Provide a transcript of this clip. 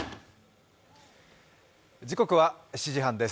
時刻は７時半です。